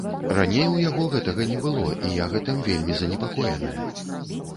Раней у яго гэтага не было і я гэтым вельмі занепакоеная.